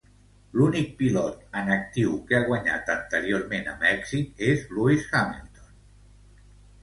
L'únic pilot en actiu que ha guanyat anteriorment a Mèxic és Lewis Hamilton.